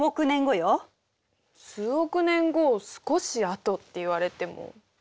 数億年後を「少しあと」って言われても。